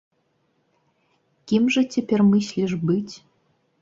Кім жа цяпер мысліш быць?